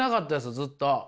ずっと。